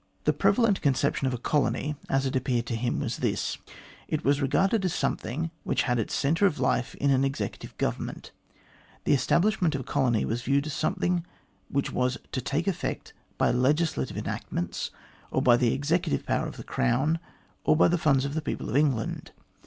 The prevalent conception of a colony, as it appeared to him, was this : It was regarded as something which had its centre of life in an executive government ; the establishment of a colony was viewed as something which was to take effect by legislative enactments, or by the executive power of the Crown, or by the funds of the people of England.